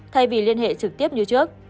thay vì liên hệ trực tiếp như trước